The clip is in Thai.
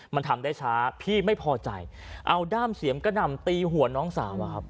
มันทำได้ช้าพี่ไม่พอใจเอาด้ามเสียมกระหน่ำตีหัวน้องสาวอะครับ